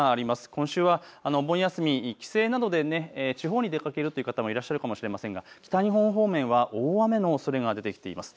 今週はお盆休み帰省などで地方にでかけるという方もいらっしゃっるかもしれませんが北日本方面大雨のおそれが出てきています。